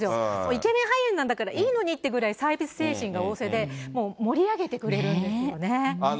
イケメン俳優なんだから、いいのにっていうぐらい、サービス精神が旺盛で、もう盛り上げてくれるんよね。